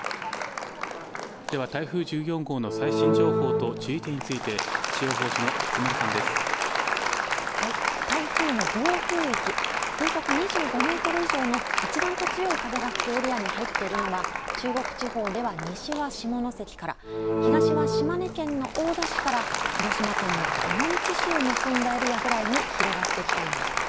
では台風１４号の最新情報と注意点について、気象予報士の勝台風の暴風域、風速２５メートル以上の一段と強い風が吹くエリアに入っているのは、中国地方では西は下関から、東は島根県の大田市から広島県の尾道市を結んだエリアぐらいに広がってきています。